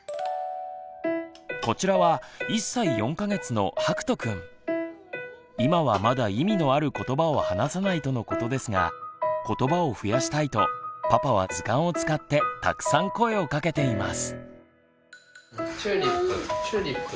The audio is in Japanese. こちらは今はまだ意味のあることばを話さないとのことですがことばを増やしたいとパパは図鑑を使ってたくさん声をかけています。